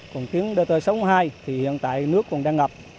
còn khiến đợt tới sống hai thì hiện tại nước còn đang ngập